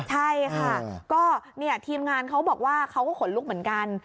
ใช่ค่ะก็ทีมงานเขาบอกว่าเขาก็ขนลุกเหมือนกัน